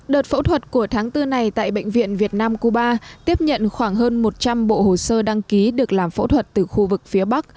đợt phẫu thuật của tháng bốn này tại bệnh viện việt nam cuba tiếp nhận khoảng hơn một trăm linh bộ hồ sơ đăng ký được làm phẫu thuật từ khu vực phía bắc